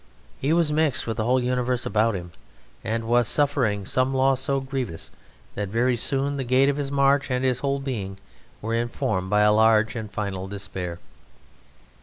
He was mixed with the whole universe about him, and was suffering some loss so grievous that very soon the gait of his march and his whole being were informed by a large and final despair.